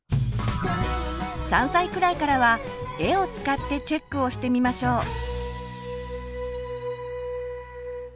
３歳くらいからは絵を使ってチェックをしてみましょう。